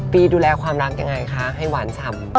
ปีดูแลความรักยังไงคะให้หวานฉ่ำ